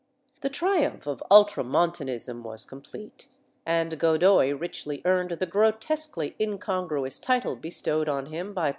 The triumph of Ultramontanism was complete, and Godoy richly earned the grotesquely incongruous title bestowed on him, by Pius VI, of Piflar of the Faith.